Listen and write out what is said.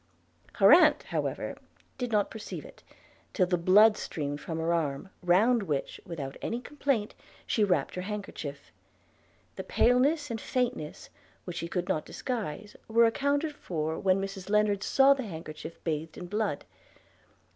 Her aunt, however, did not perceive it, till the blood streamed from her arm, round which, without any complaint, she wrapped her handkerchief. The paleness and faintness, which she could not disguise, were accounted for when Mrs Lennard saw the handkerchief bathed in blood.